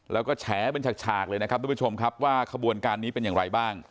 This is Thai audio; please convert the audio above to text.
แล้วก็แฉเป็นฉากเลยนะครับทุกผู้ชมครับว่าขบวนการนี้เป็นอย่างไรบ้าง